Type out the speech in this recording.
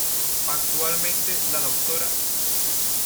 Actualmente, la Dra.